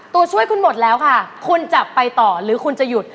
ตัวช่วยคุณหมดแล้วค่ะคุณจะไปต่อหรือคุณจะหยุด